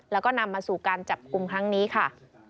แล้วก็นำมาสู่การจับกลุ่มครั้งนี้ค่ะ